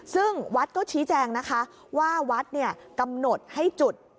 ซึ่งวัดก็ชี้แจงนะคะว่าวัดกำหนดให้จุด